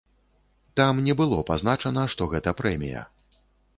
Там не было пазначана, што гэта прэмія.